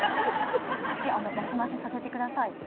私マシマシさせてください。